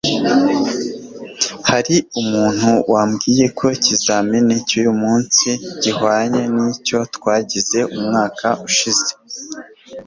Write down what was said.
hari umuntu wambwiye ko ikizamini cy'uyu munsi gihwanye n'icyo twagize umwaka ushize